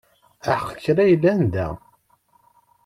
Aḥeqq kra yellan da!